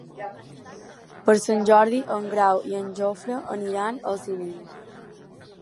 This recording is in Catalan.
Per Sant Jordi en Grau i en Jofre aniran al cinema.